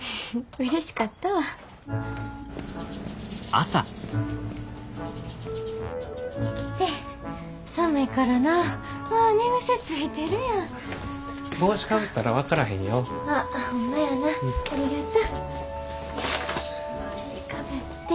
よし帽子かぶって。